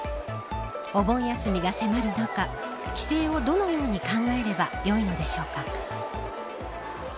お盆休みが迫る中帰省をどのように考えればよいのでしょうか。